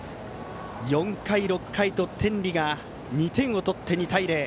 ４回、６回と天理が２点を取って２対０。